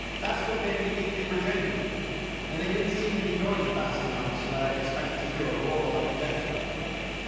That's what made me think they were genuine. And they didn't seem to be going fast enough so that I'd expect to hear a roar like a jet plane.